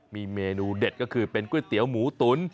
มีเมนูเด็ดก็คือเป็นก๋วยเตี๋ยวหมูตุ๋น